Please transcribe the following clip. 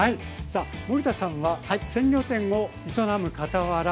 森田さんは鮮魚店を営むかたわら